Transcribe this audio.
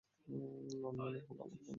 Norman, এ হলো আমার বোনপো।